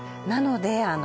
なので